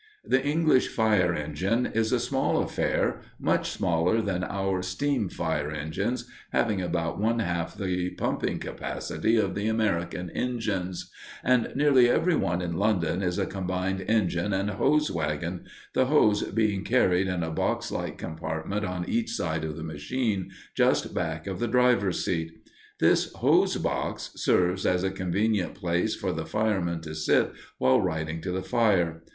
The English fire engine is a small affair, much smaller than our steam fire engines, having about one half the pumping capacity of the American engines; and nearly every one in London is a combined engine and hose wagon, the hose being carried in a box like compartment on each side of the machine, just back of the driver's seat. This "hose box" serves as a convenient place for the firemen to sit while riding to the fire.